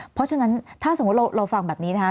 เพราะฉะนั้นถ้าสมมุติเราฟังแบบนี้นะคะ